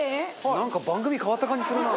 なんか番組変わった感じするな。